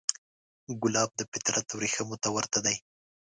ګلاب د فطرت وریښمو ته ورته دی.